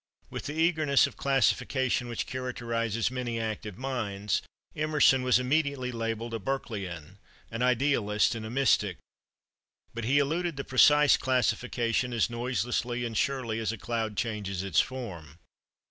With the eagerness of classification which characterizes many active minds, Emerson was immediately labelled a Berkeleyan, an idealist, and a mystic. But he eluded the precise classification as noiselessly and surely as a cloud changes its form.